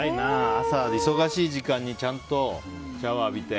朝、忙しい時間にちゃんと、シャワー浴びて。